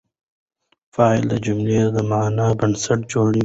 فاعل د جملې د معنی بنسټ جوړوي.